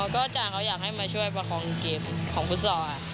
ก็อาจารย์เขาอยากให้มาช่วยประคองเกมของฟุตซอล